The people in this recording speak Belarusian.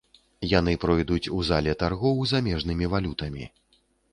Яны пройдуць у зале таргоў замежнымі валютамі.